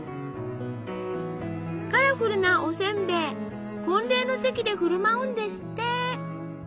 カラフルなおせんべい婚礼の席で振る舞うんですって！